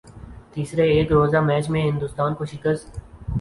تیسرے ایک روزہ میچ میں ہندوستان کو شکست